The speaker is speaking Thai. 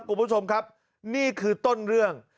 คุณผู้ชมครับนี่คือต้นเรื่อง